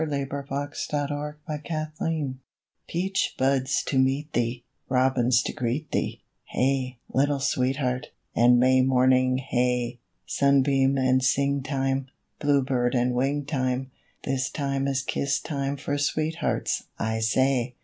WITH A MAY BASKET FOR BABY AGNES Peach buds to meet thee, Robins to greet thee, Hey, little Sweetheart! and May morning, hey! Sunbeam and sing time, Bluebird and wing time, This time is kiss time for sweethearts, I say!